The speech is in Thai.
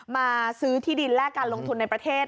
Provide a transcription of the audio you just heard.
มาซื้อที่ดินแลกการลงทุนในประเทศ